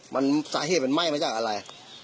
มันสาเหตุมันไหม้มาจากอะไร